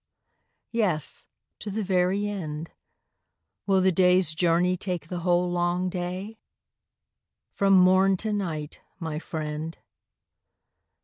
Yes, to the very end. Will the day's journey take the whole long day? From morn to night, my friend.